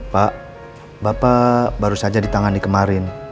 pak bapak baru saja ditangani kemarin